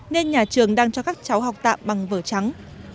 nên nhà trường đang cho các cháu học tạm bằng vở trắng